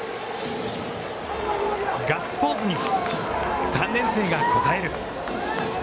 ガッツポーズに３年生が応える。